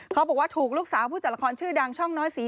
เขาบอกว่าถูกลูกสาวผู้จัดละครชื่อดังช่องน้อยสี